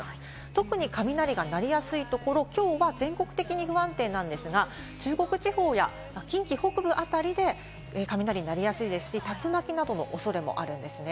特に雷が鳴りやすいところ、きょうは全国的に不安定なんですが、中国地方や近畿北部あたりで雷が鳴りやすいですし、竜巻などの恐れもあり、あるんですね。